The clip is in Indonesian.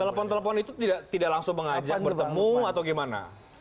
telepon telepon itu tidak langsung mengajak bertemu atau gimana